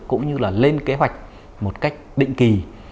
cũng như là lên kế hoạch một cách định kỳ